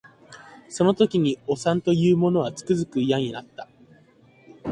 その時におさんと言う者はつくづく嫌になった